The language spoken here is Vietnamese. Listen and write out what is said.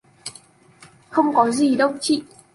Không có gì đâu chị